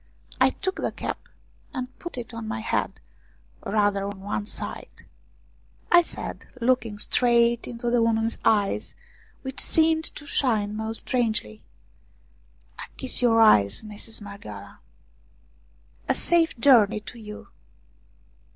I took the cap, and put it on my head, rather on one side. I said, looking straight into the woman's eyes, which seemed to shine most strangely :" I kiss your eyes, Mistress Marghioala !"" A safe journey to you."